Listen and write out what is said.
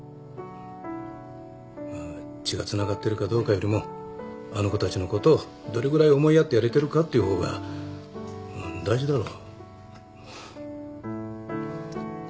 まあ血がつながってるかどうかよりもあの子たちのことをどれぐらい思いやってやれてるかっていう方が大事だろ。